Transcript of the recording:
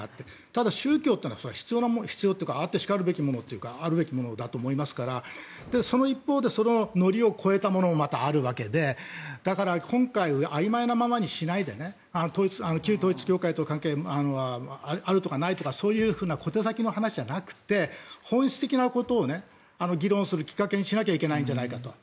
ただ、宗教というのは必要というかあってしかるべきというかあるべきものだと思いますからその一方で、のりを超えたものもまたあるわけでだから、今回あいまいなままにしないで旧統一教会との関係はあるとかないとかそういう小手先の話じゃなくて本質的なことを議論するきっかけにしなければいけないんじゃないかと。